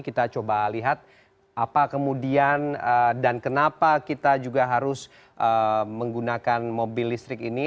kita coba lihat apa kemudian dan kenapa kita juga harus menggunakan mobil listrik ini